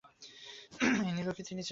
এই নীলুকে তিনি চেনেন না।